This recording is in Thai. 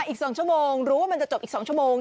อีก๒ชั่วโมงรู้ว่ามันจะจบอีก๒ชั่วโมง